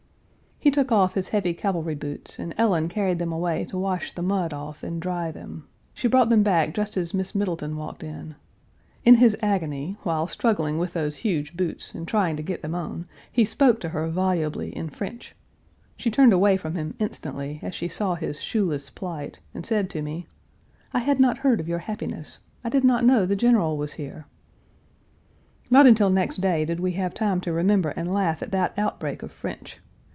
He took off his heavy cavalry boots and Ellen carried them away to wash the mud off and dry them. She brought them back just as Miss Middleton walked in. In his agony, while struggling with those huge boots and trying to get them on, he spoke to her volubly in French. She turned away from him instantly, as she saw his shoeless plight, and said to me, "I had not heard of your happiness. I did not know the General was here." Not until next day did we have time to remember and laugh at that outbreak of French.